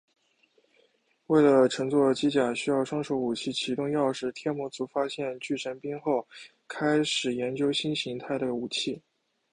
为了乘坐机甲需要双手武器启动钥匙天魔族发现巨神兵后开始研究新形态的武器。